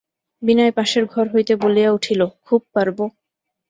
বিনয় পাশের ঘর হইতে বলিয়া উঠিল, খুব পারব।